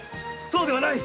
どうではない。